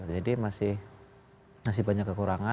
jadi masih banyak kekurangan